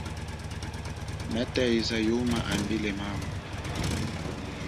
Nataiza yuma ambile mama.